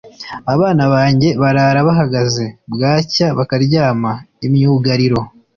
Abana banjye barara bahagaze bwacya bakaryama.-Imyugariro.